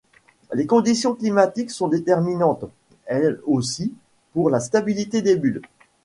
Les conditions climatiques sont déterminantes, elles aussi, pour la stabilité des bulles.